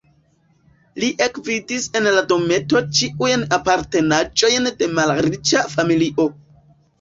Li ekvidis en la dometo ĉiujn apartenaĵojn de malriĉa familio.